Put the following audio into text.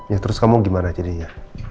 ya terus kamu gimana jadinya